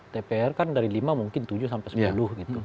dpr kan dari lima mungkin tujuh sampai sepuluh gitu